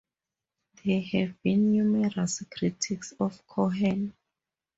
There have been numerous critics of Cohen.